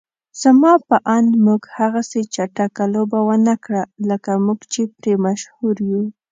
زما په اند موږ هغسې چټکه لوبه ونکړه لکه موږ چې پرې مشهور يو.